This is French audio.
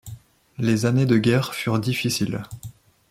Les années de guerre furent difficiles.